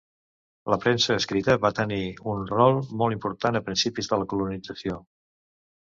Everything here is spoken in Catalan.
La premsa escrita va tenir un rol molt important a principis de la colonització.